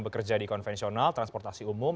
bekerja di konvensional transportasi umum